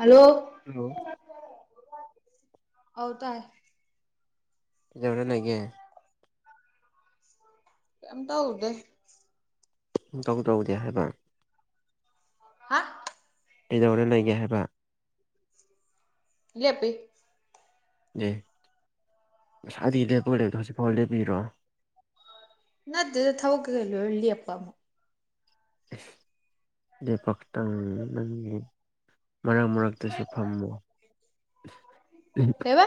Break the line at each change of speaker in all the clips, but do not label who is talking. hello
hello
ꯑ ꯇꯔ
ꯆꯥꯎꯧꯅ ꯂꯩꯒꯦ
ꯀꯝ ꯇ ꯍꯧꯗ
ꯇꯧ ꯇꯧꯗꯦ ꯍꯥꯏꯕ
ꯍꯥ
ꯀꯗꯧꯅ ꯂꯩꯒꯦ ꯍꯥꯏꯕ
ꯌꯥꯄꯤꯦ
ꯑꯦꯁ ꯑꯗꯤ ꯂꯦꯞꯄ ꯂꯦꯞꯗꯣ ꯍꯧꯖꯤꯛ ꯐꯥꯎꯜ ꯂꯦꯞꯄꯤꯔꯣꯑꯣ
ꯅꯠꯇ ꯊꯧꯒꯂꯨ ꯍꯦꯂꯤ ꯑꯞꯄ ꯑꯃ
ꯗꯦ ꯄ ꯇꯪ ꯅꯪꯒꯤ ꯃꯔꯛ ꯃꯔꯛꯇꯁꯨ ꯐꯝꯃꯨ
ꯀꯩꯕ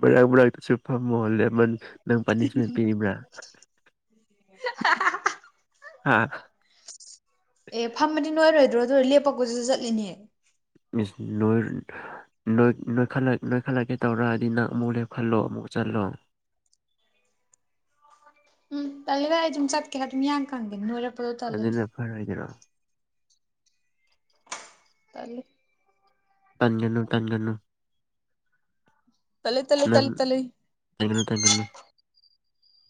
ꯕꯔꯥꯛ ꯕꯔꯥꯛꯗꯨꯁꯨ ꯐꯝꯃꯣ ꯂꯦꯃꯟ ꯅꯪ ꯄꯥꯅꯤꯁꯃꯦꯟ ꯄꯤꯔꯤꯕ꯭ꯔꯥ
[inaudible]
ꯑꯥ
ꯑꯦ ꯐꯃꯗꯤ ꯅꯣꯏꯔꯣꯏꯗ꯭ꯔꯣ ꯑꯗꯨ ꯂꯦꯞꯄꯛꯄꯗꯨꯁꯨ ꯆꯠꯂꯤꯅꯦ
ꯏꯁ ꯅꯣꯏꯣꯏ ꯅꯣꯏꯈꯠꯂꯛꯀꯦ ꯇꯧꯔꯛꯑꯗꯤ ꯅꯪ ꯑꯃꯨꯛ ꯂꯦꯞꯈꯠꯂꯣ ꯑꯃꯨꯛ ꯆꯠꯂꯣ [inaudible]
ꯎꯝ ꯇꯜꯦ ꯚ ꯑꯩ ꯑꯗꯨꯝ ꯆꯠꯀꯦꯔ ꯑꯗꯨꯝ ꯌꯥꯡ ꯈꯪꯗꯦ ꯅꯣꯏꯔ
ꯑꯗꯨꯗꯅ ꯐꯔ ꯍꯥꯏꯗꯅꯣ
ꯇꯂꯦ
ꯇꯖꯅꯨ ꯇꯖꯅꯨ
ꯇꯂꯦ ꯇꯂꯦ ꯇꯂꯦ ꯇꯂꯦ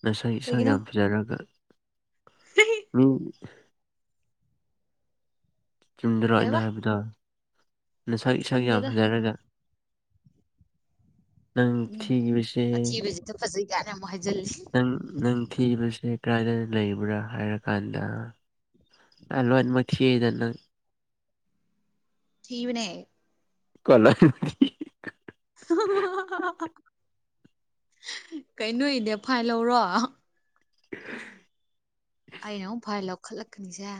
ꯉꯁꯥꯏ ꯏꯁꯥ ꯌꯥꯝ ꯐꯖꯔꯒ
ꯀꯩꯕ
ꯆꯨꯝꯗꯔꯛꯑꯏꯅ ꯍꯥꯏꯕꯗ ꯅꯁꯥ ꯏꯁꯛ ꯌꯥꯝ
ꯆꯨꯝꯗꯦꯗ
ꯐꯖꯔꯒ ꯅꯪ
ꯎꯝ
ꯊꯖꯁꯦ
ꯑꯊꯤꯕꯁꯤꯗ ꯐꯖꯩ ꯀꯥꯏꯅ ꯑꯃꯨꯛ ꯍꯥꯏꯖꯤꯜꯂꯤ
ꯅꯪ ꯅꯪ ꯊꯖꯁꯦ ꯀꯗ ꯂꯩꯕ꯭ꯔꯥ ꯍꯥꯏꯔꯀꯥꯟꯗ ꯑ ꯂꯣꯏꯅꯃꯛ ꯊꯤꯗ ꯅꯪ [inaudible]
ꯊꯤꯕꯅꯦ
ꯀꯂ
ꯍꯍꯥꯍꯥꯍꯍꯥꯍꯥ ꯀꯩꯅꯣ ꯏꯅꯦ ꯐꯥꯏ ꯂꯧꯔꯣ
ꯑꯍ
ꯑꯩꯅ ꯑꯃꯨꯛ ꯐꯚꯥꯏꯔ ꯂꯧꯈꯠꯂꯛꯀꯅꯤꯁꯦ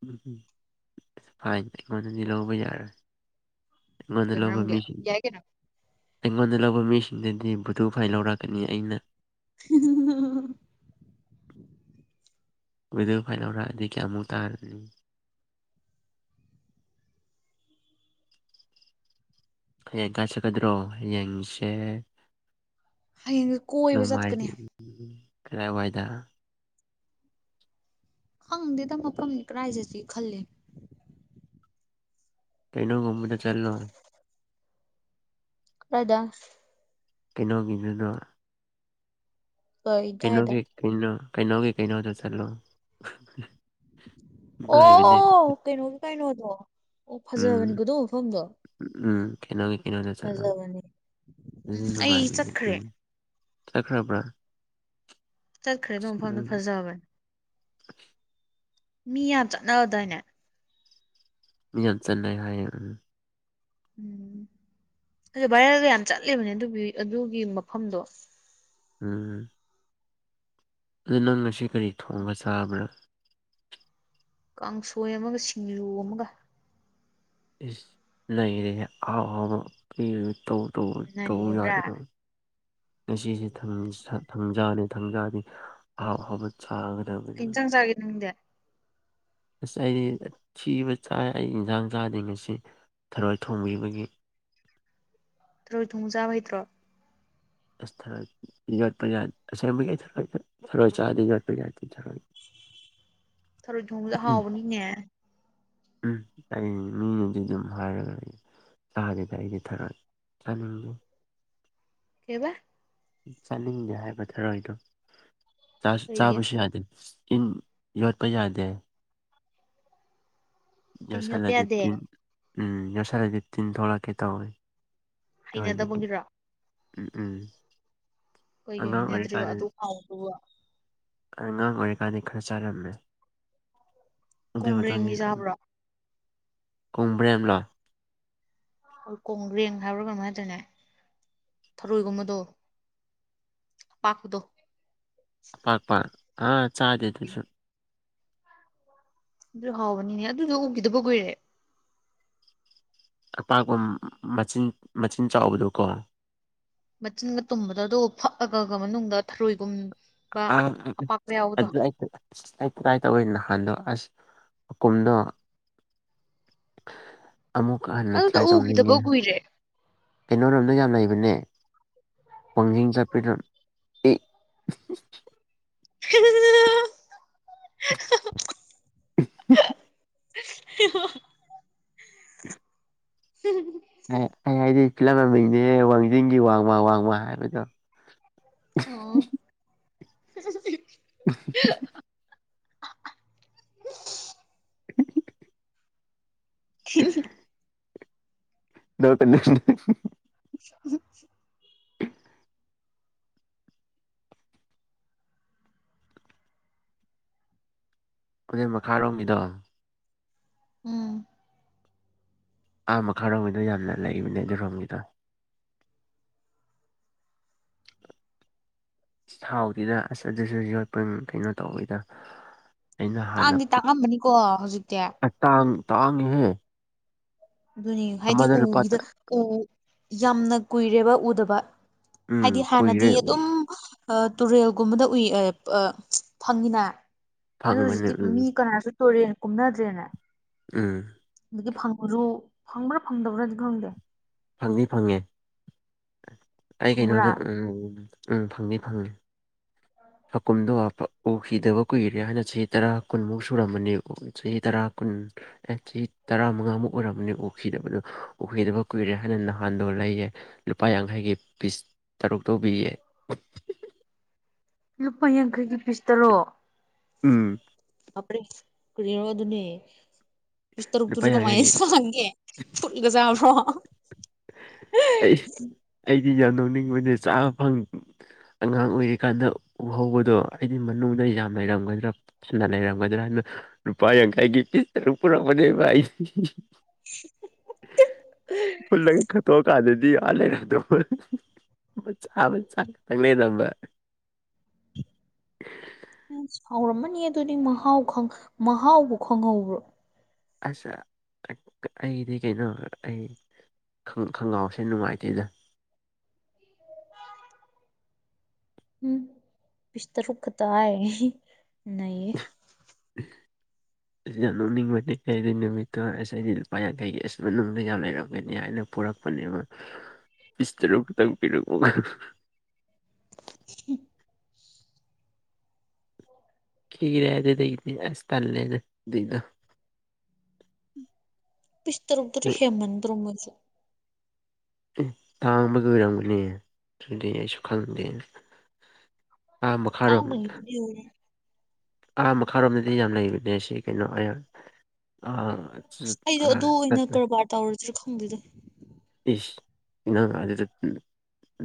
ꯎꯝ ꯎꯝ ꯑꯁ ꯐꯥꯏ ꯑꯩꯉꯣꯟꯗꯗꯤ ꯂꯧꯕ ꯌꯥꯔꯣꯏ ꯑꯩꯃꯣꯟꯗ
ꯀꯩ
ꯂꯧꯕ
ꯃꯔꯝꯒꯤ
ꯃꯤꯁꯤ
ꯌꯥꯏ ꯀꯩꯅꯣ
ꯑꯩꯉꯣꯟꯗ ꯂꯧꯕ ꯃꯤꯁꯤꯡꯗꯗꯤ ꯕꯨꯗꯨ ꯐꯥꯏ ꯂꯧꯔꯛꯀꯅꯤ ꯑꯩꯅ ꯋꯦꯗ ꯐꯥꯏꯜꯧꯔꯛꯑꯗꯤ ꯀꯌꯥꯃꯨꯛ ꯇꯥꯔꯅꯤ [inaudible] ꯍꯡꯀ ꯆ ꯀꯗ꯭ꯔꯣ ꯌꯦꯡꯁꯦ
ꯍꯌꯦꯡꯁꯦ ꯀꯣꯏꯕ ꯆꯠꯀꯅꯤ
ꯅꯨꯡꯃꯥꯏꯖ ꯀꯗꯥꯥꯏ ꯋꯥꯏꯗ
ꯈꯪꯗꯦꯗ ꯃꯐꯝ ꯀꯔꯥꯏꯖꯁꯤ ꯈꯂꯦ
ꯀꯩꯅꯣ ꯃꯨꯝꯗ ꯆꯠꯂꯣ
ꯀꯔꯥꯏꯗ
ꯀꯩꯅꯣ ꯚꯟꯅ
ꯀꯩ ꯑꯗꯥꯏꯗ
ꯀꯩꯅꯩꯅꯣꯒꯤ ꯀꯩꯅꯩꯅꯣ ꯀꯩꯅꯣꯒꯤ ꯀꯩꯅꯩꯅꯣꯗ ꯆꯂꯣ
ꯑꯣ ꯀꯩꯅꯣꯒꯤ ꯀꯩꯅꯣꯗꯣ ꯑꯣ
ꯎꯝ
ꯐꯖꯕꯅꯤꯀꯗꯣ ꯃꯐꯝꯗꯣ
ꯀꯩꯅꯣ ꯂ ꯆꯂꯣꯅꯨꯡꯉꯦ
ꯐꯖꯕꯅꯤ ꯑꯩ ꯆꯠꯈ꯭ꯔꯦ
ꯎꯝ ꯆꯠꯈ꯭ꯔꯥꯕ꯭ꯔꯥ
ꯆꯠꯈ꯭ꯔꯦ ꯅ ꯃ ꯐꯐꯝꯗꯣ ꯐꯖꯕꯅꯦ ꯃꯤ ꯌꯥꯝ ꯆꯠꯅꯔꯗꯏꯅꯦ
ꯌꯥꯝ ꯆꯅꯩ ꯍꯥꯏꯌꯦ ꯎꯝ
ꯎꯝ ꯑꯗ ꯚꯥꯏꯔꯦꯜꯒ ꯌꯥꯝ ꯆꯠꯂꯤꯕꯅꯦ ꯑꯗꯨꯒꯤ ꯑꯗꯨꯒꯤ ꯃꯐꯝꯗꯣ
ꯎꯝ ꯑꯗꯨꯗ ꯅꯪ ꯉꯁꯤ ꯀꯔꯤ ꯊꯣꯡꯕ ꯆꯥꯕ꯭ꯔꯥ
ꯀꯥꯡꯁꯣꯏ ꯑꯃꯒ ꯁꯤꯡꯖꯨ ꯑꯃꯒ
ꯏꯁ ꯅꯩꯅꯔ ꯑꯋꯥ ꯑꯃ ꯄ ꯇꯣ ꯇ ꯇꯧ
ꯅꯩꯕ꯭ꯔꯥ
ꯌꯥꯗ꯭ꯔꯣ ꯉꯁꯤꯁꯦ ꯊꯥꯡꯖꯥꯅꯤ ꯊꯥꯡꯖꯥꯅꯤ ꯑꯍꯥꯎ ꯑꯍꯥꯏꯎ
ꯀꯩ
ꯍꯥꯒꯗꯕꯅꯤ
ꯏꯟꯁꯥꯡ ꯆꯥꯒꯦ ꯅꯪꯗꯤ
ꯑꯁ ꯑꯩꯗꯤ ꯊꯤꯕ ꯆꯥꯏ ꯑꯩ ꯌꯦꯟꯁꯥꯡ ꯆꯥꯗ ꯉꯁꯤ ꯊꯔꯣꯏ ꯊꯣꯡꯕꯤꯕꯒꯤ
ꯇꯣ ꯊꯣꯡ ꯆꯥꯕ ꯍꯩꯇ꯭ꯔꯣ
ꯑꯁ ꯊ ꯌꯣꯠꯄ ꯌꯥꯠ ꯑꯁꯦꯡꯕꯒꯤꯩ ꯊ ꯊꯔꯣꯏ ꯆꯥꯗꯤ ꯌꯣꯠꯄ ꯌꯥꯤ ꯊꯔꯣꯏ [inaudible]
ꯊꯔꯣꯢ ꯊꯣꯡꯕ ꯍꯥꯎꯕꯅꯤꯅꯦ
ꯎꯝ ꯑꯩ ꯃꯤꯅꯗꯤ ꯑꯗꯨꯝ ꯍꯥꯏꯔꯦ ꯂꯥꯅꯤꯗ ꯑꯩꯗꯤ ꯊꯔꯥꯛ ꯆꯥꯅꯤꯡꯉꯤ
ꯀꯕꯥ
ꯆꯥꯅꯤꯡꯗꯦ ꯍꯥꯏꯕ ꯊꯔꯣꯏꯗꯣ
ꯀꯔꯤꯒꯤ
ꯆꯥꯕꯁꯨ ꯌꯥꯗꯦ ꯏꯟ ꯌꯣꯠꯄ ꯌꯥꯗꯦ
ꯇꯤꯟ
ꯌꯁꯟ
ꯌꯣꯠꯄ
ꯂꯩ
ꯌꯥꯗꯦ
ꯇꯤꯟ ꯎꯝ ꯌꯁꯥꯏ ꯂꯩ ꯇꯤꯟ ꯊꯔꯥ ꯀꯦ ꯇꯧꯋꯦ ꯇꯣꯏꯕꯒꯤ
ꯍꯩꯅꯗꯕꯒꯤꯔꯣ
ꯎꯝ ꯎꯝ
ꯀꯩꯒꯤ
ꯑꯉꯥꯡ
ꯍꯩꯅꯗ꯭ꯔꯤꯕ
ꯑꯣꯏꯔꯤꯀꯥꯟꯗ
ꯑꯗꯨꯛ ꯍꯥꯎꯕꯗꯨꯕꯣ
ꯑꯉꯥꯡ ꯑꯣꯏꯔꯤꯀꯥꯟ ꯈꯔ ꯆꯥꯔꯝꯃꯦ ꯑꯗꯨ ꯃꯇꯨꯡ
ꯀꯣꯡꯒ꯭ꯔꯦꯡꯗꯤ ꯆꯥꯕ꯭ꯔꯥ
ꯀꯣꯡꯕ꯭ꯔꯦꯝꯂꯥ
ꯑꯩꯈꯣꯏ ꯀꯣꯡꯒ꯭ꯔꯦꯡ ꯍꯥꯏꯕ꯭ꯔꯥ ꯀꯩꯅꯣ ꯍꯥꯏꯗ꯭ꯔꯦꯅꯦ ꯊꯔꯣꯏꯒꯨꯝꯕꯗꯣ ꯄꯥꯈꯗꯣ
ꯄꯥꯛꯄꯥꯛ ꯑꯥ ꯆꯥꯗ ꯑꯗꯨꯁꯨ
ꯑꯗꯨ ꯍꯥꯎꯕꯅꯤꯅꯦ ꯑꯗꯨꯗ ꯎꯈꯤꯗꯕ ꯀꯨꯏꯔꯦ
ꯑꯄꯥꯛꯄ ꯃꯆꯤꯟ ꯃꯆꯤꯟ ꯆꯥꯎꯕꯗꯨ ꯀꯣ
ꯃꯆꯤꯟꯒ ꯇꯨꯝꯕꯗꯣ ꯑꯗꯨ ꯐꯛꯑꯒꯒ ꯃꯅꯨꯡꯗ ꯊꯔꯣꯏꯒꯨꯝ
ꯑ ꯑꯩ ꯇ꯭ꯔꯥꯏ ꯇꯧꯋꯦ ꯅꯍꯥꯟꯗꯣ ꯑꯁ ꯄꯀꯨꯝꯗꯣ ꯑꯃꯨꯛꯀ ꯍꯟꯅ
ꯑꯗꯨꯗꯣ
ꯇ꯭ꯔꯥꯏ
ꯎꯈꯤꯗꯕ
ꯇꯧꯅꯤꯡꯉꯦ
ꯀꯨꯏꯔꯦ
ꯀꯩꯅꯣꯔꯣꯝꯅ ꯌꯥꯝꯝ ꯂꯩꯏꯕꯅꯦ ꯄꯣꯡꯖꯤꯡ ꯀꯄꯤꯇꯣꯟ ꯑꯦ
ꯎ ꯍ ꯍ
ꯑꯩ ꯍꯥꯏꯗꯤ ꯐꯤꯂꯝ ꯑꯃꯅꯤꯡꯅꯦꯍꯦ ꯋꯥꯡꯖꯤꯡꯒꯤ ꯋꯥꯡꯃꯥ ꯋꯥꯡꯃꯥ ꯍꯥꯏꯕꯗꯣ
ꯑꯣ [inaudible]
[inaudible]
ꯎ
ꯅꯣ ꯀ
ꯎ
ꯑꯗꯨꯗꯦꯟ ꯃꯈꯥꯔꯣꯝꯒꯤꯗꯣ
ꯎꯝ
ꯑꯥ ꯃꯈꯥꯔꯣꯝꯒꯤꯗꯣ ꯌꯥꯝꯅ ꯂꯩꯕꯅꯦ ꯑꯗꯨ ꯔꯣꯝꯒꯤꯗꯣ ꯊꯥꯎꯗꯨꯗ ꯑꯁ ꯑꯗꯨꯁꯨ ꯌꯣꯠꯄ ꯀꯩꯅꯣ ꯇꯧꯋꯤꯗ ꯑꯩꯅ ꯍꯥꯟꯅ
ꯇꯥꯡꯗꯤ ꯇꯥꯡꯉꯝꯕꯅꯤꯀꯣ ꯍꯧꯖꯤꯛꯇꯤ
ꯇꯥꯡ ꯇꯥꯡꯉꯤꯍꯦ
ꯑꯗꯨꯅꯤ ꯍꯥꯏꯗꯤ
ꯑꯃꯗ ꯂꯨꯄꯥ
ꯎꯒꯤꯗ ꯎ ꯌꯥꯝꯅ ꯀꯨꯏꯔꯦꯕ ꯎꯗꯕ ꯍꯥꯏꯗꯤ
ꯎꯝ
ꯍꯥꯟꯅꯗꯤ
ꯀꯨꯏꯔꯦ
ꯑꯗꯨꯝ ꯇꯨꯔꯦꯜꯒꯨꯝꯕꯗ ꯎꯏ ꯐꯪꯉꯤꯅ ꯑꯗꯨꯣ
ꯐꯪꯕꯅꯦ
ꯍꯧꯖꯤꯛꯇꯤ
ꯎꯝ
ꯃꯤ ꯀꯅꯥꯁꯨ ꯇꯔꯤꯦ ꯀꯨꯝꯅꯗ꯭ꯔꯦꯅꯦ
ꯎꯝ
ꯑꯗꯒꯤ ꯐꯪꯕ꯭ꯔꯣ ꯐꯪꯕ꯭ꯔꯥ ꯐꯪꯗꯕ꯭ꯔꯥꯗꯤ ꯈꯪꯗꯦ
ꯐꯪꯅꯤ ꯐꯪꯉꯦ ꯑꯩ
ꯐꯪꯕ꯭ꯔꯥ
ꯀꯩꯅꯣꯗ ꯎꯝ ꯎꯝ ꯎꯝ ꯐꯪꯅꯤ ꯐꯪꯅꯤ ꯑꯀꯨꯝꯗꯣ ꯎꯈꯤꯗꯕ ꯀꯨꯏꯔꯦ ꯍꯥꯏꯅ ꯆꯍꯤ ꯇꯔꯥ ꯀꯨꯟꯃꯨꯛ ꯁꯨꯔꯝꯕꯅꯤ ꯆꯍꯤ ꯇꯔꯥ ꯀꯨꯟ ꯑꯦ ꯆꯍꯤ ꯇꯔꯥꯃꯉꯥꯃꯨꯛ ꯑꯣꯏꯔꯝꯝꯕꯅꯤ ꯎꯈꯤꯗꯕꯗꯨ ꯎꯈꯤꯗꯕ ꯀꯨꯏꯔꯦ ꯍꯥꯏꯅ ꯅꯍꯥꯟꯗ ꯑꯣꯏꯔ ꯂꯩꯌꯦ ꯂꯨꯄꯥ ꯌꯥꯡꯈꯩꯒꯤ ꯄꯤꯁ ꯇꯔꯨꯛꯇꯧꯕꯤꯌꯦ
ꯂꯨꯄꯥ ꯌꯥꯡꯈꯩꯒꯤ ꯄꯤꯁ ꯇꯔꯣ
ꯎꯝ
ꯀꯔꯣꯗꯅꯦ ꯤꯁ
ꯂꯨꯄꯥ
ꯇꯔꯨꯛꯇꯨꯔꯤ ꯀꯃꯥꯏ
ꯌꯥꯡꯈꯩꯒꯤ
ꯆꯪꯒꯦ ꯐꯨꯠꯒ ꯆꯥꯕ꯭ꯔꯣ
ꯑꯩ ꯑꯩꯗꯤ ꯌꯥꯝ ꯅ ꯂꯧꯅꯤꯡꯕꯅꯦ ꯆꯥꯕ ꯐꯪ ꯑꯉꯥꯡ ꯑꯣꯏꯔꯤꯀꯥꯟꯗ ꯎꯍꯧꯕꯗꯣ ꯑꯩꯗꯤ ꯃꯅꯨꯡꯗ ꯌꯥꯝꯥ ꯂꯩꯔꯝꯒꯗ꯭ꯔꯥ ꯐꯅ ꯂꯩꯔꯝꯒꯗ꯭ꯔꯥ ꯍꯥꯏꯅ ꯄꯥꯥꯏꯡ ꯀꯥꯏꯒꯤ ꯇꯔ ꯄꯨꯔꯕ
ꯎ
ꯐꯨꯜꯂꯒ ꯈꯠꯇꯣꯛꯑ ꯀꯥꯗꯗꯤ ꯐꯂꯕ ꯆꯥꯡ ꯆꯝꯕ [inaudible]
ꯁꯥꯎꯔꯝꯃꯅꯤ ꯑꯗꯨꯗꯤ ꯃꯍꯥꯎ ꯃꯍꯥꯎꯕꯨ ꯈꯪꯍꯧꯕ꯭ꯔꯣ
ꯑꯁ ꯑꯩꯗꯤ ꯀꯩꯅꯣ ꯑꯩ ꯈꯣꯡꯒ꯭ꯔꯥꯎꯁꯦ ꯅꯨꯡꯉꯥꯏꯇꯦꯗ
ꯎꯝ ꯤꯁꯇꯔꯨ ꯈ ꯇꯑ ꯅ
[inaudible] ꯌꯥꯝ ꯅꯣꯛꯅꯤꯡꯕꯅꯤ ꯑꯩ ꯑꯗꯨꯒꯤ ꯅꯨꯃꯤꯠꯇꯨ ꯑꯁ ꯑꯩꯗꯤ ꯂꯨꯄꯥ ꯌꯥꯡꯈꯩꯒꯤ ꯑꯁ ꯃꯅꯨꯡꯗ ꯌꯥꯝ ꯂꯩꯔꯝꯒꯅꯤ ꯍꯥꯏꯅ ꯄꯨꯔꯛꯄ ꯤꯁꯇꯔ ꯄꯊꯔ
[inaudible]
ꯈꯤꯔꯦꯗꯤ ꯂꯩ ꯏ ꯑꯁ ꯄꯂꯦꯅ
ꯄꯤꯁꯇꯔ ꯎꯇꯔ ꯍꯦꯃꯟꯇ꯭ꯔꯃꯁ
ꯇꯥꯡꯕ ꯉꯔꯥꯡꯕꯨꯅꯦ ꯑꯗꯨꯗꯤꯦ ꯑꯩꯁꯨ ꯈꯪꯗꯦ ꯑꯥ ꯃꯈꯥꯔꯣꯝ
ꯇꯥꯡꯕꯒꯤꯕꯨꯗꯤ ꯑꯣꯏꯔꯦ
ꯑꯥ ꯃꯈꯥꯔꯣꯝꯗꯗꯤ ꯌꯥꯝ ꯂꯩꯕꯅꯦ ꯁꯤ ꯀꯩꯅꯣ ꯑꯌꯥ ꯑꯥ
ꯑꯁ ꯑꯩꯗꯣ
ꯑꯥ
ꯑꯗꯨ ꯑꯣꯏꯅ
ꯁꯠꯃꯦ
ꯀꯔꯕꯥꯔ ꯇꯧꯔꯁꯤꯔ ꯈꯪꯗꯦꯗ
ꯏꯅꯥꯪ ꯑꯗꯨꯗ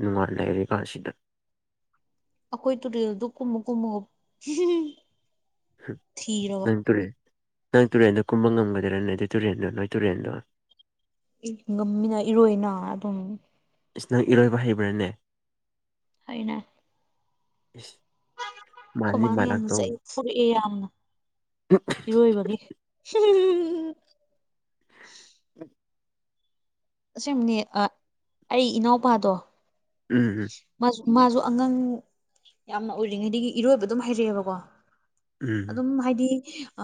ꯅꯨꯡꯉꯥꯜꯂꯔꯀ ꯑꯁꯤꯗ
ꯑꯩꯈꯣꯏ ꯇꯨꯔꯦꯜꯗꯨ ꯀꯨꯝꯃꯨ ꯀꯨꯝꯃꯨ ꯊꯤꯔꯕ
ꯅꯪ ꯇꯨꯔꯦ ꯅꯪ ꯇꯨꯔꯦꯟꯗꯣ ꯀꯨꯝꯕ ꯉꯝꯒꯗꯣꯏꯔꯥꯅꯦ ꯑꯗꯨ ꯇꯨꯔꯦꯟꯗꯣ ꯅꯣꯏ ꯇꯨꯔꯦꯟꯗꯣ
ꯉꯝꯃꯤꯅ ꯏꯔꯣꯏꯅ ꯑꯗꯨꯝ
ꯏꯁꯅ ꯏꯔꯣꯏꯕ ꯍꯩꯕ꯭ꯔꯅꯦ
ꯍꯥꯏꯅ
ꯎ
ꯀꯃꯥꯅ ꯌꯥꯝꯅ ꯆꯩꯑ ꯐꯨꯔꯛꯑ ꯌꯥꯝꯅ ꯏꯔꯣꯏꯕꯒꯤ
ꯎꯝ
ꯑꯁꯝꯅꯦ ꯑꯩ ꯏꯅꯥꯎꯄꯥꯗꯣ
ꯎꯝ ꯎꯝ
ꯃꯥꯁꯨ ꯃꯥꯁꯨ ꯑꯉꯥꯡ ꯌꯥꯝꯅ ꯑꯣꯏꯔꯤꯉꯩꯗꯒꯤ ꯏꯔꯣꯏꯕ ꯑꯗꯨꯝ ꯍꯥꯏꯩꯔꯛꯑꯦꯕꯀꯣ
ꯎꯝ
ꯑꯗꯨꯝ ꯍꯥꯏꯗꯤ ꯑ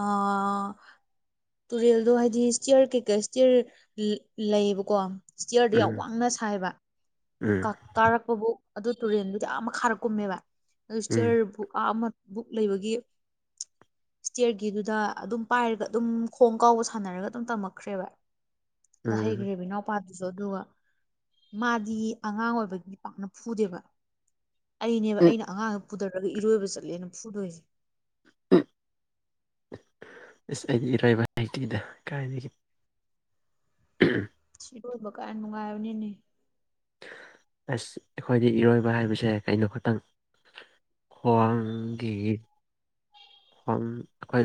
ꯇꯨꯔꯦꯜꯗꯣ ꯍꯥꯏꯗꯤ ꯏꯁꯇꯤꯌꯔ ꯀꯩꯀꯩ ꯏꯁꯇꯤꯌꯔ ꯂꯩꯌꯦꯕꯀꯣ ꯏꯁ ꯆꯤꯌꯔꯗꯨ ꯌꯥꯝ
ꯎꯝ
ꯋꯥꯡꯅ ꯁꯥꯏꯕ
ꯎꯝ
ꯀꯥꯔꯛꯄꯕꯨ ꯑꯗꯨ ꯇꯨꯔꯦꯟꯗꯨꯗꯤ ꯌꯥꯝ ꯑꯃ ꯈꯥꯔꯛꯀꯨꯝꯃꯦꯕ ꯑꯗꯨ
ꯎꯝ
ꯆꯤꯌꯔꯕꯨ ꯑ ꯑꯃ ꯕꯨꯛ ꯂꯩꯕꯒꯤ ꯏꯁꯇꯤꯌꯔꯒꯤꯗꯨꯗ ꯑꯗꯨꯝ ꯄꯥꯏꯔꯒ ꯑꯗꯨꯝ ꯈꯣꯡ ꯀꯥꯎꯕ ꯁꯥꯟꯅꯔꯒ ꯑꯗꯨꯝ ꯇꯝꯃꯛꯈ꯭ꯔꯦꯕ ꯑꯗ
ꯎꯝ
ꯍꯩꯈ꯭ꯔꯦ ꯏꯕꯤꯅꯥꯎꯄꯥꯗꯨꯁꯨ ꯑꯗꯨꯒ ꯃꯥꯗꯤ ꯑꯉꯥꯡ ꯑꯣꯏꯕꯒꯤ ꯄꯥꯛꯅ ꯐꯨꯗꯦꯕ ꯑꯩꯅꯦꯕ
ꯎꯝ
ꯑꯩꯅ ꯑꯉꯥꯡ ꯐꯨꯊꯔꯛꯒ ꯏꯔꯣꯏꯕ ꯆꯠꯂꯦꯅ ꯐꯨꯗꯣꯏꯁꯦ
ꯎꯝ ꯑꯁ ꯑꯩꯒꯤ ꯏꯔꯥꯏꯕ ꯍꯇꯤꯗ ꯀꯥꯏꯅꯒꯦ ꯎꯝ
ꯀꯥꯔ ꯃꯒꯅꯤꯅꯦ
ꯑꯁ ꯑꯩꯈꯣꯏꯗꯤ ꯏꯔꯣꯏꯕ ꯍꯥꯏꯕꯁꯦ ꯀꯩꯅꯣ ꯈꯇꯪ ꯈ꯭ꯋꯥꯡꯒꯤ ꯈꯡ ꯑꯩꯈꯣꯏ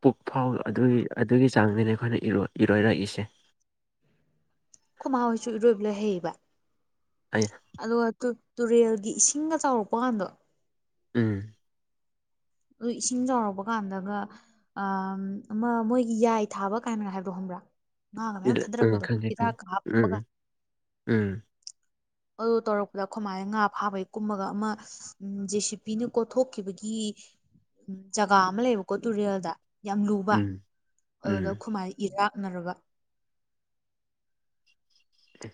ꯄꯨꯛ ꯐꯥꯎ ꯑꯗꯨꯒꯤ ꯑꯗꯨꯒꯤ ꯆꯥꯡꯅꯤꯅꯦ ꯑꯩꯈꯣꯏꯅ ꯏꯔꯣꯏꯔꯛꯏꯁꯦ [inaudible]
ꯀꯃꯥꯣꯏꯁꯨ ꯏꯔꯣꯏꯕ ꯂꯣꯏ ꯍꯩꯕ
ꯑꯩ
ꯑꯗꯨꯒ ꯇꯨꯔꯦꯜꯒꯤ ꯏꯁꯤꯡꯒ ꯆꯥꯎꯔꯛꯄ ꯀꯥꯟꯗꯣ
ꯎꯝ
ꯑꯗꯨ ꯏꯁꯤꯡ ꯆꯥꯎꯔꯛꯄ ꯀꯥꯟꯗꯒ ꯑ ꯑꯃ ꯃꯣꯏꯒꯤ ꯌꯥꯏ ꯊꯥꯕ ꯀꯥꯏꯅꯒ ꯍꯥꯏꯕꯗꯣ ꯍꯣꯡꯒ ꯉꯥꯒ ꯃꯌꯥꯝ
ꯎꯝ
ꯊꯟꯗꯔꯛꯄꯗꯣ
ꯈꯪꯉꯦ ꯈꯪꯉꯦ
ꯍꯤꯗꯥꯛꯀ ꯍꯥꯞꯄꯒ
ꯎꯝ ꯎꯝ
ꯑꯗꯨ ꯇꯧꯔꯛꯄꯗ ꯑꯩꯃꯥꯏꯅ ꯉꯥ ꯐꯥꯕꯩ ꯀꯨꯝꯃꯒ ꯑꯃ ꯎ ꯦꯁꯤꯄꯤꯅ ꯀꯣꯊꯣꯛꯈꯤꯕꯒꯤ ꯎ ꯖꯒꯥ ꯑꯃ ꯂꯩꯕꯀꯣ ꯇꯨꯔꯦꯜꯗ ꯌꯥꯝ ꯂꯨꯕ
ꯎꯝ
ꯑꯗꯨꯗ
ꯎꯝ
ꯈꯨꯃꯥꯏ ꯏꯔꯥꯛ ꯍꯣꯠꯅꯔꯒ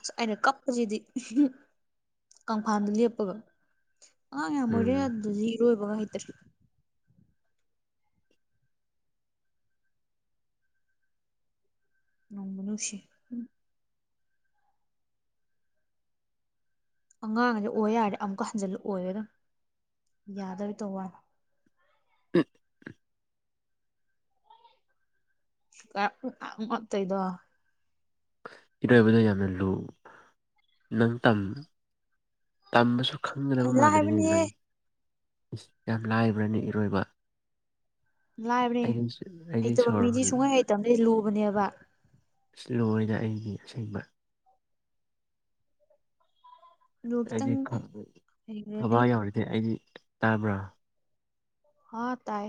ꯑꯁ ꯑꯩꯅ ꯀꯞꯄꯁꯤꯗꯤ ꯀꯪꯐꯥꯥꯟꯗ ꯂꯦꯞꯄꯒ ꯑ
ꯎꯝ
ꯌꯥꯝꯃꯔꯦꯗꯤ ꯏꯔꯣꯏꯕꯒ ꯍꯩꯇ꯭ꯔꯦ ꯅꯝꯕꯅ ꯁꯤ ꯑꯉꯥꯡꯁ ꯑꯣꯏ ꯌꯥꯔꯦ ꯑꯃꯨꯛꯀ ꯍꯟꯖꯤꯜꯂ ꯑꯣꯏꯔꯦ ꯑꯗꯨꯝ ꯌꯥꯗꯕꯤ ꯇꯧꯕ
ꯍ
ꯃꯠꯇꯩꯗꯣ
ꯏꯔꯣꯏꯕꯗ ꯌꯥꯝꯅ ꯂꯨ ꯅꯪ ꯇꯝ ꯇꯝꯕꯁꯨ
ꯌꯥꯝ
ꯈꯪꯒꯗꯕ
ꯂꯥꯏꯕꯅꯦꯍꯦ
ꯃꯥꯟꯅꯅꯤꯅꯤꯂꯏ ꯌꯥꯝ ꯂꯥꯏꯕ꯭ꯔꯅꯤ ꯏꯔꯣꯏꯕ
ꯂꯥꯏꯕꯅꯦ
ꯑꯩꯗꯤ ꯑꯩꯗꯤ
ꯍꯩꯇꯕ
ꯁꯣꯔ
ꯃꯤꯗꯤ ꯁꯨꯡꯍꯩ ꯍꯩꯇꯕꯗꯤ ꯂꯨꯕꯅꯦꯕ
ꯑ ꯂꯣꯏꯗ ꯑꯩꯅꯤ ꯑꯁꯦꯡꯕ
ꯑꯗꯨ
ꯑꯩꯗꯤ
ꯈꯤꯇꯪ
ꯈꯕꯥ
ꯍꯩꯈ꯭ꯔꯗꯤ
ꯌꯥꯎꯔꯤꯗꯤꯦ ꯑꯩꯗꯤ ꯇꯥꯕ꯭ꯔꯥ
ꯍꯥꯥ ꯇꯥꯏ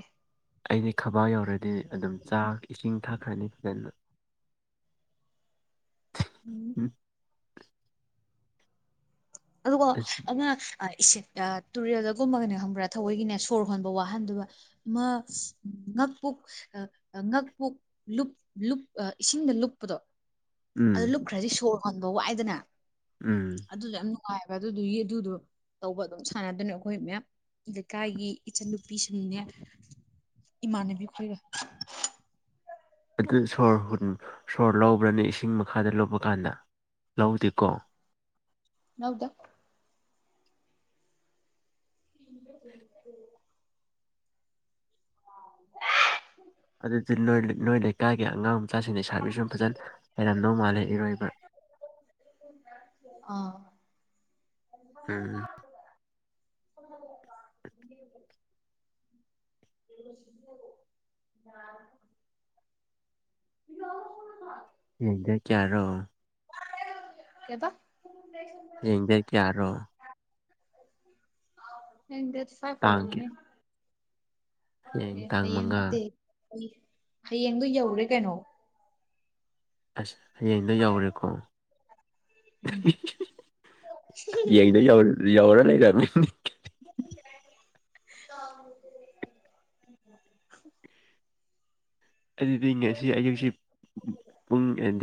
ꯑꯩꯗꯤ ꯈꯕꯥꯛ ꯌꯧꯔꯗꯤ ꯑꯗꯨꯝ ꯆꯥꯛ ꯏꯁꯤꯡ ꯊꯥꯛꯈ꯭ꯔꯅꯤ ꯐꯖꯅ [inaudible]
ꯎꯝ ꯑꯗꯨꯀꯣ
ꯑꯁ
ꯑ ꯏ ꯇꯨꯔꯦꯜꯗꯒꯨꯝꯃꯒꯅꯦ ꯈꯪꯕ꯭ꯔꯥ ꯊꯑꯣꯣꯏꯒꯤꯅꯦ ꯁꯣꯔ ꯍꯣꯟꯕ ꯋꯥꯍꯟꯗꯕ ꯑꯃ ꯉꯥꯛꯄꯣꯛ ꯉꯥꯄꯣꯛ ꯏꯁꯤꯡꯗ ꯂꯨꯞꯄꯗꯣ
ꯎꯝ
ꯑꯗꯨ ꯂꯨꯞꯈ꯭ꯔꯗꯤ ꯁꯣꯔ ꯍꯣꯟꯕ ꯋꯥꯏꯗꯅ
ꯎꯝ
ꯑꯗꯨꯗ ꯌꯥꯝ ꯍꯕ ꯑꯗꯨ ꯨꯏꯌꯦ ꯊꯗꯨ ꯇꯧꯕ ꯑꯗꯨꯝ ꯁꯥꯟꯅꯗꯣꯏꯅ ꯑꯩꯈꯣꯏ ꯃꯦꯝ ꯂꯩꯀꯥꯏꯒꯤ ꯏꯆꯟꯟꯅꯨꯄꯤꯁꯤꯡꯅꯦ ꯏꯃꯥꯅꯦꯕꯤꯈꯣꯏꯒ
ꯑꯗꯨ ꯁꯣꯔ ꯍ ꯁꯣꯔ ꯂꯧꯕ꯭ꯔꯅꯤ ꯏꯁꯤꯡ ꯃꯈꯥꯗ ꯂꯧꯕ ꯀꯥꯟꯗ ꯂꯧꯗꯤꯀꯣ
ꯅꯧꯗ [unintelligible] [inaudible]
ꯑꯗꯨꯗꯤ ꯅꯣꯏ ꯅꯣꯏ ꯂꯩꯀꯥꯏꯒꯤ ꯑꯉꯥꯡ ꯃꯆꯥꯁꯤꯡ ꯁꯥꯔꯚꯤꯁꯁꯨ ꯐꯖꯅ ꯂꯩꯔꯝꯗꯧ ꯃꯥꯜꯂꯦ ꯏꯔꯣꯏꯕ
ꯑꯥ
ꯎꯝ
[inaudible] [inaudible] [unintelligible]
ꯍꯗ ꯀꯦꯔꯣ
ꯌꯦꯕ
ꯍꯌꯦꯡꯗꯔ ꯀꯦꯔꯣ
ꯑꯦꯗ ꯁꯥ ꯀꯧꯔꯦ
ꯇꯥꯡ ꯀꯌꯥ
ꯃꯅꯦ ꯑꯦ
ꯇꯥꯡ
ꯍꯌꯦꯡ ꯅꯠꯇꯦ
ꯃꯉꯥ
ꯍꯌꯦꯡꯗꯨ ꯌꯧꯔꯦ ꯀꯩꯅꯣ
ꯑꯁ ꯍꯌꯦꯡꯗꯣ ꯌꯧꯔꯦꯀꯣ
ꯎꯝ
ꯌꯦꯡꯗ ꯌꯧꯔ ꯂꯩꯔ
[unintelligible] [unintelligible]
ꯑꯗꯨꯗꯤ ꯉꯁꯤ ꯑꯌꯨꯛꯁꯤ ꯄꯨꯡ ꯑꯩ